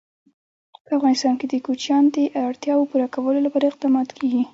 په افغانستان کې د کوچیان د اړتیاوو پوره کولو لپاره اقدامات کېږي.